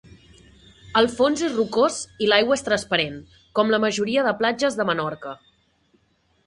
El fons és rocós i l'aigua és transparent, com la majoria de platges de Menorca.